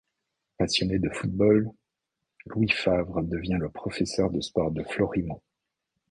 Passionné de football, Louis Favre devient le professeur de sport de Florimont.